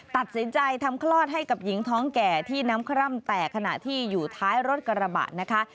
ตัดสินใจทำคลอดให้กับหญิงท้องแก่ที่น้ำคร่ำแตกขณะที่อยู่ท้ายรถกระบะนะคะ